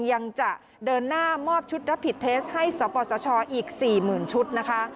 ยังจะเดินหน้ามอบชุดรับผิดเทสให้สศอีกสี่หมื่นชุดนะคะ